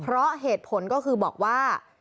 เพราะเหตุผลก็คือบอกว่า